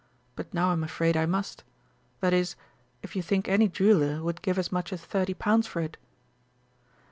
But now I'm afraid I must that is, if you think any jeweller would give as much as thirty pounds for it."